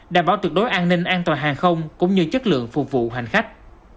đảm bảo tuyệt đối an ninh an toàn hàng không cũng như chất lượng phục vụ hành khách